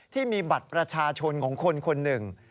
ที่มีบัตรประชาชนของคนคนหนึ่ง